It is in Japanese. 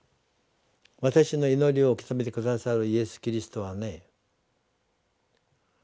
私の祈りを受け止めて下さるイエス・キリストはね